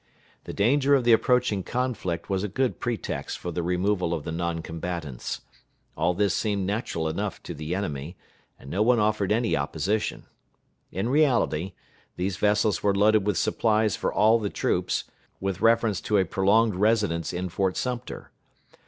The danger of the approaching conflict was a good pretext for the removal of the non combatants. All this seemed natural enough to the enemy, and no one offered any opposition. In reality, these vessels were loaded with supplies for all the troops, with reference to a prolonged residence in Fort Sumter.